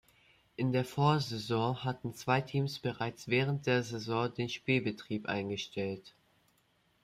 In der Vorsaison hatten zwei Teams bereits während der Saison den Spielbetrieb eingestellt.